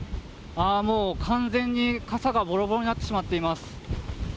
もう完全に傘がボロボロになってしまっています。